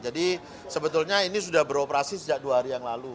jadi sebetulnya ini sudah beroperasi sejak dua hari yang lalu